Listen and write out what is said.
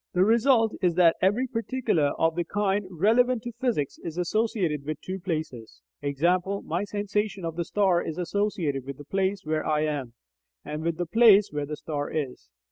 The result is that every particular of the kind relevant to physics is associated with TWO places; e.g. my sensation of the star is associated with the place where I am and with the place where the star is.